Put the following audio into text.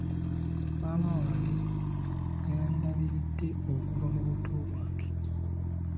Maama wange y'andabiridde okuva mu buto bwange.